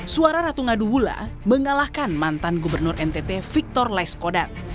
suara ratu ngadu wula mengalahkan mantan gubernur ntt victor laiskodat